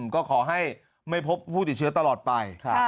ก็ขอให้ไม่พบผู้ติดเชื้อตลอดไป